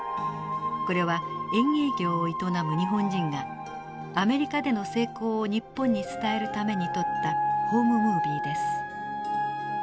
これは園芸業を営む日本人がアメリカでの成功を日本に伝えるために撮ったホームムービーです。